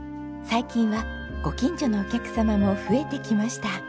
最近はご近所のお客様も増えてきました。